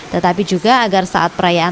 tetapi juga agar saat perayaan